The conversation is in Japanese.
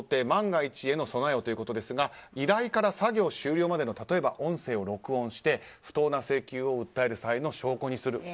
万が一への備えをということですが依頼から作業終了までの例えば音声を録音して不当な請求を訴える際の証拠にする。